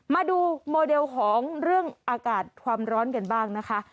มาดูโมเดลของเรื่องอากาศความร้อนกันบ้างนะคะ